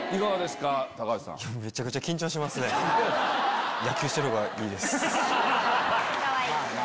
かわいい！